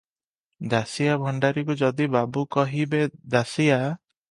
ଦାସିଆ ଭଣ୍ଡାରିକୁ ଯଦି ବାବୁ କହିବେ, 'ଦାସିଆ!